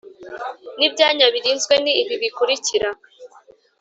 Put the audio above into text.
N ibyanya birinzwe ni ibi bikurikira